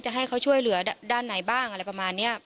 ให้เขาช่วยเหลือด้านไหนบ้างอะไรประมาณนี้